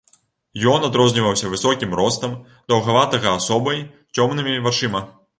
Ён адрозніваўся высокім ростам, даўгаватага асобай, цёмнымі вачыма.